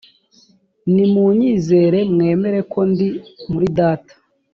nimunyizere mwemere ko ndi muri data